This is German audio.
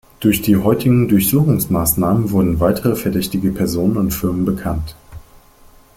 Durch die heutigen Durchsuchungsmaßnahmen wurden weitere verdächtige Personen und Firmen bekannt.